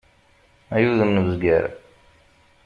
Ay udem n uzger!